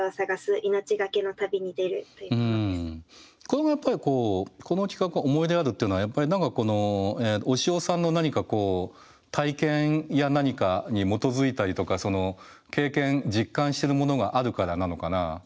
これはやっぱりこうこの企画が思い入れがあるっていうのはこのおしおさんの何かこう体験や何かに基づいたりとか経験実感してるものがあるからなのかな？